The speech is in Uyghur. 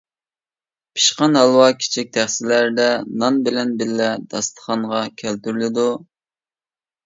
پىشقان ھالۋا كىچىك تەخسىلەردە نان بىلەن بىللە داستىخانغا كەلتۈرۈلىدۇ.